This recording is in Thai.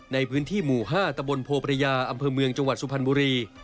ในพื้นที่หมู่๕ตะบลโภพระญาอำเภอเมืองสุภารบุรี